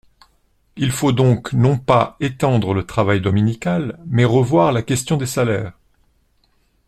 Il faut donc non pas étendre le travail dominical mais revoir la question des salaires.